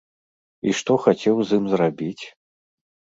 І што хацеў з ім зрабіць?